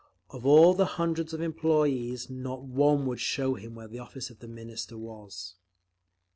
Of all the hundreds of employees, not one would show him where the office of the Minister was….